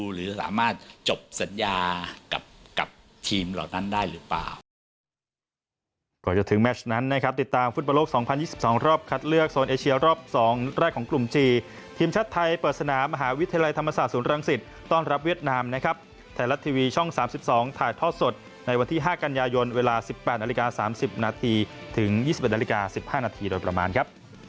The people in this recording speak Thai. หรือจะสามารถจบสัญญากับทีมเหล่านั้นได้หรือเปล่า